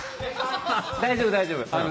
大丈夫大丈夫。